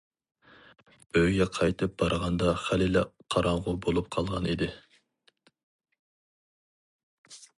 ئۆيگە قايتىپ بارغاندا خېلىلا قاراڭغۇ بولۇپ قالغان ئىدى.